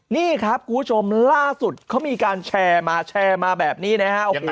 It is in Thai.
นี่ครับคุณผู้ชมล่าสุดเขามีการแชร์มาแชร์มาแบบนี้นะฮะ